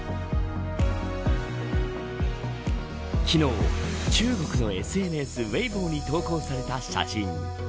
昨日、中国のＳＮＳウェイボーに投稿された写真。